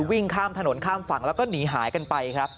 วิ่งข้ามถนนข้ามฝั่งแล้วก็หนีหายกันไปครับ